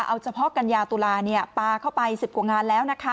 เอาเฉพาะกัญญาตุลาปลาเข้าไป๑๐กว่างานแล้วนะคะ